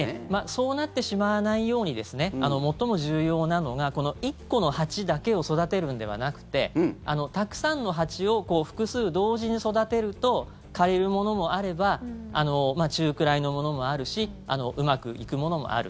そうなってしまわないよう最も重要なのがこの１個の鉢だけを育てるんではなくてたくさんの鉢を複数同時に育てると枯れるものもあれば中くらいのものもあるしうまくいくものもある。